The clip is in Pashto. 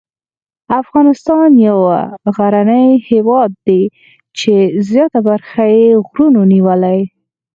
افغانستان یو غرنی هېواد دی چې زیاته برخه یې غرونو نیولې.